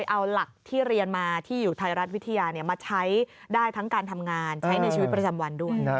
เอาหลักที่เรียนมาที่อยู่ไทยรัฐวิทยามาใช้ได้ทั้งการทำงานใช้ในชีวิตประจำวันด้วย